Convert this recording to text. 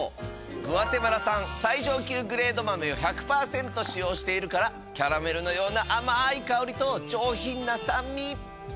グアテマラ産最上級グレード豆を１００％使用しているからキャラメルのような甘い香りと上品な酸味。